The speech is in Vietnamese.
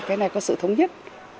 cái này có sự thống nhất